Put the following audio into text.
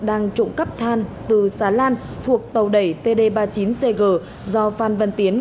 đang trộm cắp than từ xà lan thuộc tàu đẩy td ba mươi chín cg do phan văn tiến